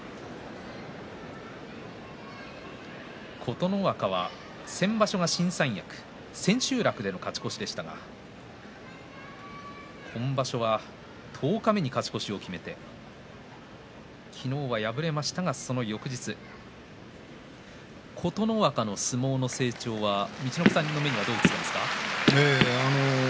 琴ノ若は、先場所が新三役千秋楽での勝ち越しでしたが今場所は十日目に勝ち越しを決めて昨日は敗れましたが、その翌日琴ノ若の相撲の成長は陸奥さんの目にはどう映っていますか。